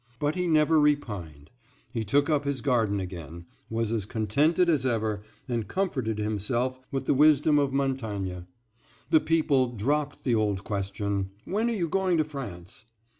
But he never repined. He took up his garden again, was as contented as ever, and comforted himself with the wisdom of Montaigne. The people dropped the old question, "When are you going to France?"